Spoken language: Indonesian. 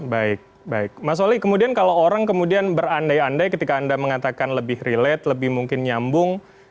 baik baik mas oli kemudian kalau orang kemudian berandai andai ketika anda mengatakan lebih relate lebih mungkin nyambung